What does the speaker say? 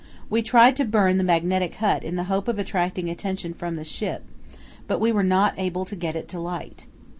We tried to burn the Magnetic Hut in the hope of attracting attention from the ship, but were not able to get it to light.